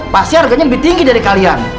pasti harganya lebih tinggi dari kalian